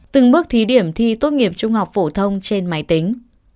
từng bước thí điểm thi tốt nghiệp trung học phổ thông trên máy tính